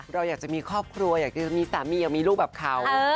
เราอยากจะมีครอบครัวอยากจะมีสามีอยากมีลูกแบบเขา